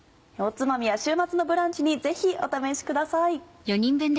おつまみや週末のブランチにぜひお試しください。